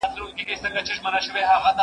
زه به کښېناستل کړي وي!؟